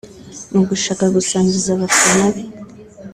Mu gushaka gusangiza abafana be